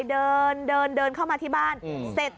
เดินเดินเดินเดินเดินเข้ามาที่บ้านเสร็จ